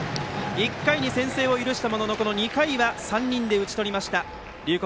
１回に先制を許したものの２回は３人で打ち取りました龍谷